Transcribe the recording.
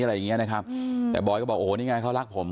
อะไรอย่างเงี้ยนะครับแต่บอยก็บอกโอ้โหนี่ไงเขารักผม